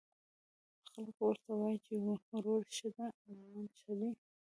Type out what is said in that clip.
خلک ورته وايي، چې وروري ښه ده، امان ښه دی